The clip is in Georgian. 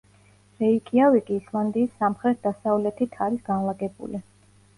რეიკიავიკი ისლანდიის სამხრეთ-დასავლეთით არის განლაგებული.